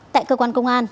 tại cơ quan công an